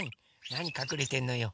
なにかくれてんのよ。